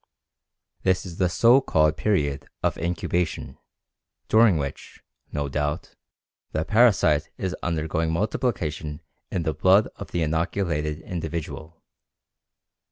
This is the so called period of incubation, during which, no doubt, the parasite is undergoing multiplication in the blood of the inoculated individual.